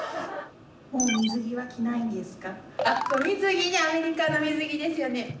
あ水着ねアメリカの水着ですよね。